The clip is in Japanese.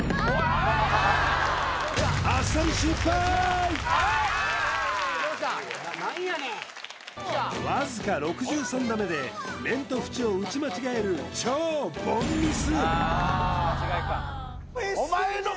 えっ何やねんわずか６３打目で面とふちを打ち間違える超凡ミス